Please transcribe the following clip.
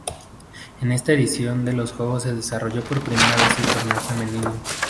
En esta edición de los juegos se desarrolló por primera vez el torneo femenino.